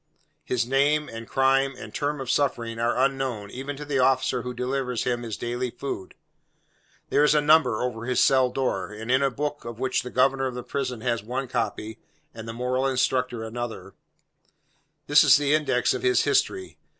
His name, and crime, and term of suffering, are unknown, even to the officer who delivers him his daily food. There is a number over his cell door, and in a book of which the governor of the prison has one copy, and the moral instructor another: this is the index of his history.